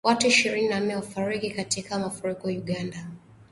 Watu ishirini na nne wafariki katika mafuriko Uganda